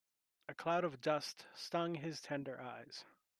A cloud of dust stung his tender eyes.